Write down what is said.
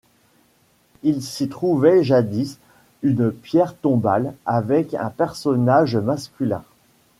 Il s'y trouvait jadis une pierre tombale avec un personnage masculin.